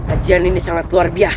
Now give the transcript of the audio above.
kajian ini sangat luar biasa